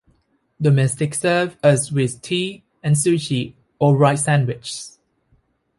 Domestics served us with tea and sushi or rice sandwiches.